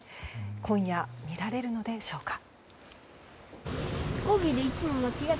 今夜見られるでしょうか。